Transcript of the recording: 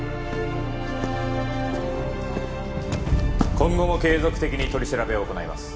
今後も継続的に取り調べを行います